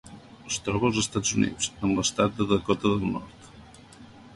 Es troba als Estats Units, en l'estat de Dakota del Nord.